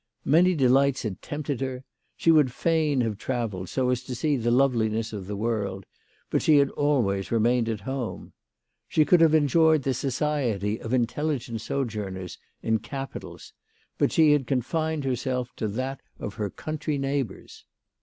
Many delights had tempted her. She would fain have travelled, so as to see the loveliness of the world ; but she had always remained at home. She could have enjoyed the society of intelligent sojourners in capitals; but she had con fined herself to that of her country neighbours.